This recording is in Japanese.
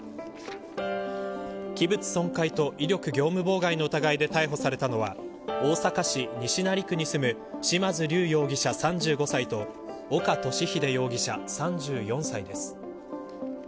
器物損壊と威力業務妨害の疑いで逮捕されたのは大阪市西成区に住む嶋津龍容疑者、３５歳と岡敏秀容疑者、３４歳です。